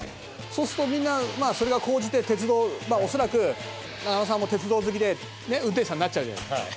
そうすると、みんな、それが高じて、鉄道、恐らく、中野さんも鉄道好きで運転手さんになっちゃうじゃないですか。